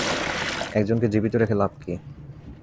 একজনকে জীবিত রেখে লাভ কী?